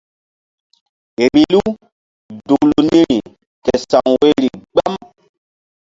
Vbilu duklu niri ke sa̧w woyri gbam.